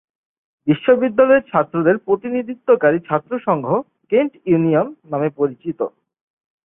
বিশ্ববিদ্যালয়ের ছাত্রদের প্রতিনিধিত্বকারী ছাত্র সংঘ "কেন্ট ইউনিয়ন" নামে পরিচিত।